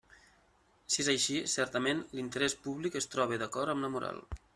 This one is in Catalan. I si és així, certament, l'interès públic es troba d'acord amb la moral.